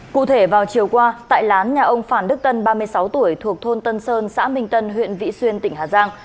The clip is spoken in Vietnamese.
cụ thể vào chiều qua tại lán nhà ông phàn đức tân ba mươi sáu tuổi thuộc thôn tân sơn xã minh tân huyện vị xuyên tỉnh hà giang